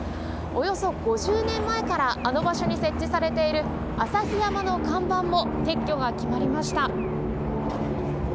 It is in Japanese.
およそ５０年前からあの場所に設置されている朝日山の看板も撤去が決まりました。